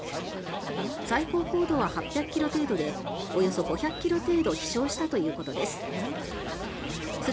最高高度は８００ｋｍ程度でおよそ５００ｋｍ程度飛翔したということです。